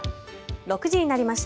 ６時になりました。